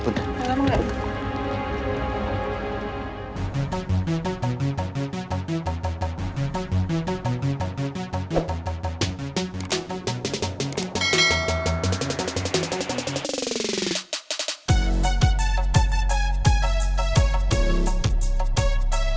sama kang murad